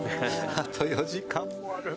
あと４時間もある。